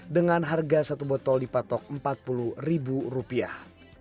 dengan harga satu botol dipatok empat puluh ribu rupiah